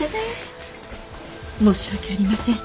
申し訳ありません。